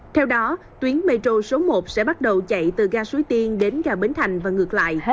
theo đó tuyến metro số một sẽ bắt đầu chạy từ ga suối tiên đến ga bến thành và ngược lại hết